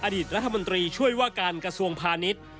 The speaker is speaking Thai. อดีตรัฐมนตรีช่วยว่าการกระทรวงพาณิชย์